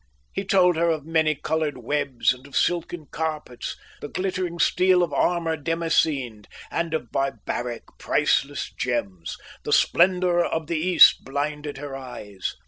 He told her of many coloured webs and of silken carpets, the glittering steel of armour damascened, and of barbaric, priceless gems. The splendour of the East blinded her eyes.